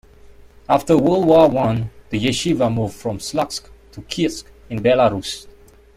After World War One, the yeshivah moved from Slutsk to Kletsk in Belarus.